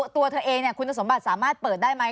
ตัวเธอเองคุณสมบัติสามารถเปิดได้ไหม